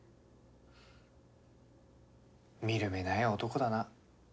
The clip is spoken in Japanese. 見る目ない男だな。